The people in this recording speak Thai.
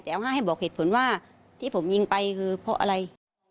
แต่ว่าให้บอกเหตุผลว่าที่ผมยิงไปคือเพราะอะไร